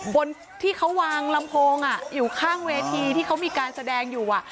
คนที่เขาวางลำโพงอยู่ข้างเวทีที่เขามีการแสดงอยู่